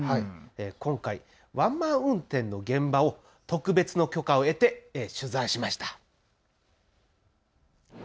今回、ワンマン運転の現場を特別な許可を得て取材しました。